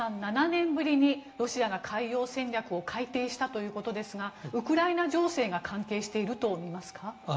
７年ぶりにロシアが海洋戦略を改訂したということですがウクライナ情勢が関係していると見ますか？